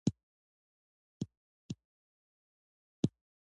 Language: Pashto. ایا سر مو خارښ کوي؟